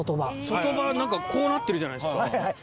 卒塔婆何かこうなってるじゃないですか。